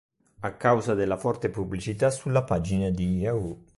A causa della forte pubblicità sulla pagina di Yahoo!